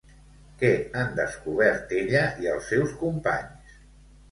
Què han descobert ella i els seus companys?